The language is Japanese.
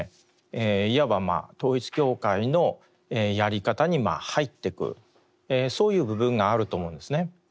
いわば統一教会のやり方に入っていくそういう部分があると思うんですね。